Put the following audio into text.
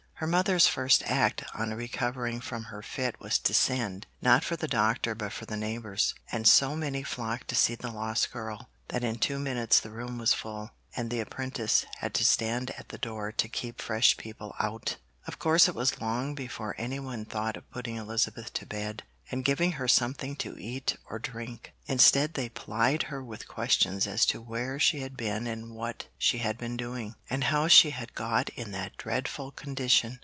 Her mother's first act on recovering from her fit was to send, not for the doctor but for the neighbours, and so many flocked to see the lost girl, that in two minutes the room was full, and the apprentice had to stand at the door to keep fresh people out. Of course it was long before anyone thought of putting Elizabeth to bed, and giving her something to eat or drink; instead they plied her with questions as to where she had been and what she had been doing, and how she had got in that dreadful condition.